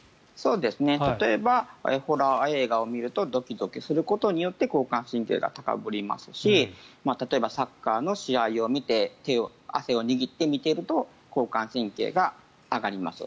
例えば、ホラー映画を見るとドキドキすることによって交感神経が高ぶりますし例えば、サッカーの試合を見て手に汗を握って見ていると交感神経が上がります。